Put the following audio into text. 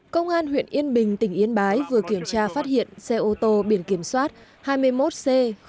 công an huyện yên bình tỉnh yên bái vừa kiểm tra phát hiện xe ô tô biển kiểm soát hai mươi một c ba nghìn bảy trăm ba mươi chín